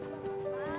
pak banyak sekali